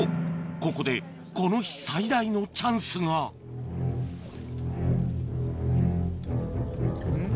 ここでこの日最大のチャンスがん？